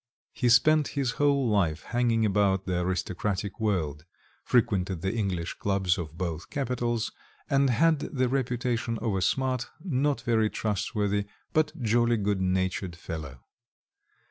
He spent his whole life hanging about the aristocratic world; frequented the English clubs of both capitals, and had the reputation of a smart, not very trustworthy, but jolly good natured fellow.